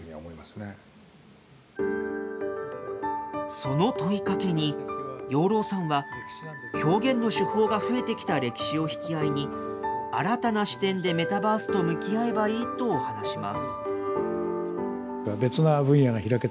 その問いかけに、養老さんは、表現の手法が増えてきた歴史を引き合いに、新たな視点でメタバースと向き合えばいいと話します。